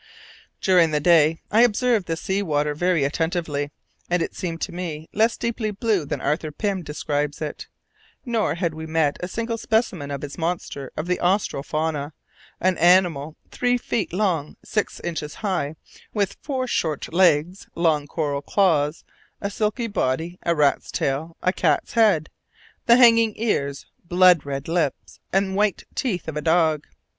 During that day, I observed the sea water very attentively, and it seemed to me less deeply blue than Arthur Pym describes it. Nor had we met a single specimen of his monster of the austral fauna, an animal three feet long, six inches high, with four short legs, long coral claws, a silky body, a rat's tail, a cat's head, the hanging ears, blood red lips and white teeth of a dog.